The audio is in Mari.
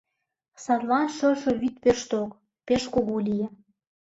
Садлан шошо вӱд пеш ток, пеш кугу лие.